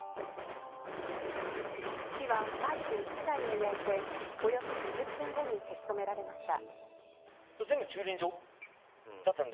火はバイク１台を焼いておよそ２０分後に消し止められました。